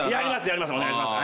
やります。